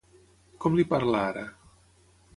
Com li parla ara?